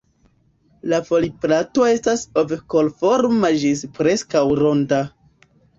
La foliplato estas ov-korforma ĝis preskaŭ ronda.